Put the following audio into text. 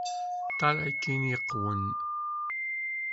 Ṭṭal akken iqwem!